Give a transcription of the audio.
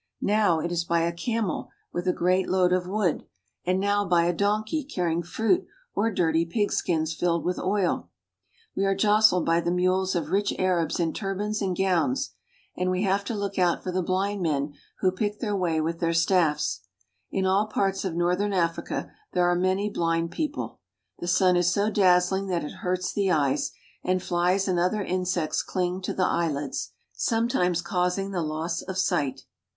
Now it is by a camel with a great load of TriE CITY OF TUNIS 51 wood and now by a donkey carrying fruit or dirty pig skins filled with oil We are jostled by the mules of rich Arabs in turbans and gowns, and we have to look out for the blind men who pick their way with their staffs. In all parts of northern Africa there are many blind people. The sun is so dazzling that it hurts the eyes, and fJies and other insects cling to the eyelids, sometimes causing the loss of sight.